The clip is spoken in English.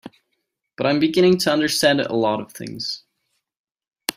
But I'm beginning to understand a lot of things.